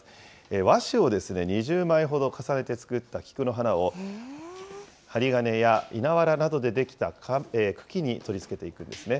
和紙を２０枚ほど重ねて作った菊の花を、針金や稲わらなどで出来た茎に取り付けていくんですね。